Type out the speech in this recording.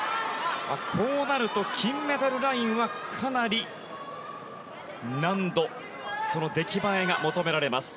こうなると金メダルラインはかなり難度、その出来栄えが求められます。